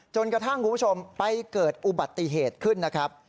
คุณผู้ชมไปเกิดอุบัติเหตุขึ้นนะครับ